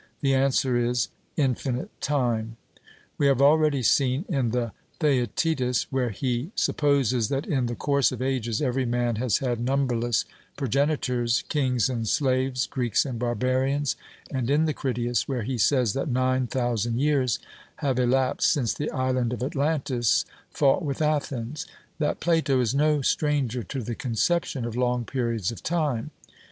The answer is, Infinite time. We have already seen in the Theaetetus, where he supposes that in the course of ages every man has had numberless progenitors, kings and slaves, Greeks and barbarians; and in the Critias, where he says that nine thousand years have elapsed since the island of Atlantis fought with Athens that Plato is no stranger to the conception of long periods of time.